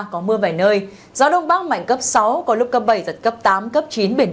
có mưa vài nơi gió đông bác mạnh cấp sáu có lúc cấp bảy giật cấp tám cấp chín